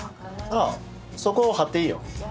ああそこはっていいよ。